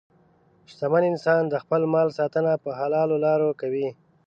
شتمن انسان د خپل مال ساتنه په حلالو لارو کوي.